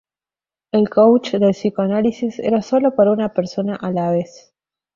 El couch del psicoanálisis era sólo para una persona a la vez.